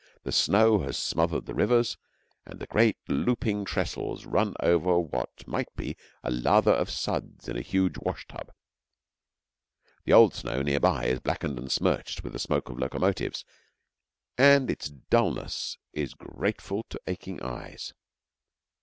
The snow has smothered the rivers, and the great looping trestles run over what might be a lather of suds in a huge wash tub. The old snow near by is blackened and smirched with the smoke of locomotives, and its dulness is grateful to aching eyes.